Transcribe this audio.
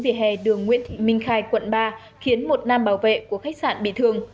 về hè đường nguyễn thị minh khai quận ba khiến một nam bảo vệ của khách sạn bị thương